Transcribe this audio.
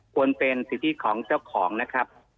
เป็นสิทธิของเจ้าของนะครับ